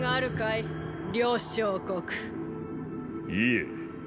いえ。